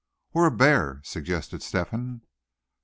"Or a bear!" suggested Step hen.